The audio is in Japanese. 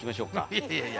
いやいや。